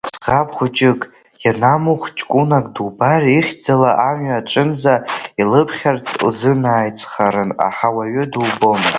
Ӡӷаб хәыҷык, ианамух ҷкәынак дубар ихьӡала амҩа аҿынӡа илыԥхьарц лзынаицҳарын, аха уаҩы дубомызт.